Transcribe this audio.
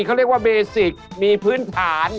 เขาเรียกว่าเบสิกมีพื้นฐาน